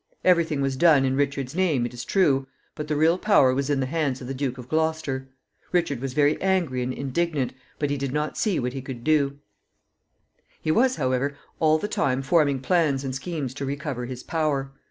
Every thing was done in Richard's name, it is true, but the real power was in the hands of the Duke of Gloucester. Richard was very angry and indignant, but he did not see what he could do. He was, however, all the time forming plans and schemes to recover his power.